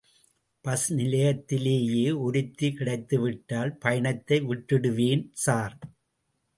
Bus நிலையத்திலேயே ஒருத்தி கிடைத்துவிட்டால் பயணத்தை விட்டுடுவேன் ஸார்.